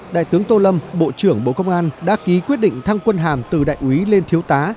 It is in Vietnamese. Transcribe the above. đại tướng tô lâm bộ trưởng bộ công an đã ký quyết định thăng quân hàm từ đại úy lên thiếu tá